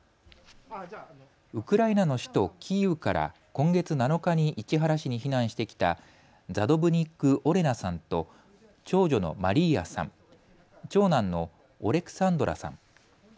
ウクライナの首都キーウから今月７日に市原市に避難してきたサドヴニク・オレナと長女のマリーアさん、長男のオレクサンドラさん。